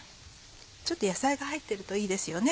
ちょっと野菜が入ってるといいですよね。